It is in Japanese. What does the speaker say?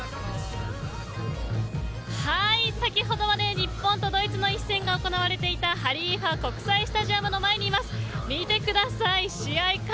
はい、先ほどまで日本とドイツの一戦が行われていたハリーファ国際スタジアムの前にいます。